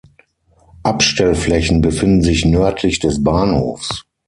Abstellflächen befinden sich nördlich des Bahnhofs.